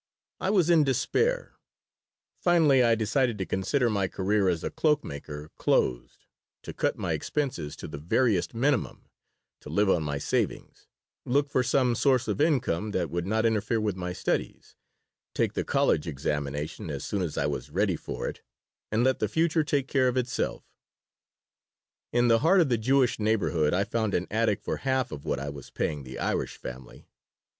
I was in despair. Finally I decided to consider my career as a cloak maker closed; to cut my expenses to the veriest minimum, to live on my savings, look for some source of income that would not interfere with my studies, take the college examination as soon as I was ready for it, and let the future take care of itself In the heart of the Jewish neighborhood I found an attic for half of what I was paying the Irish family.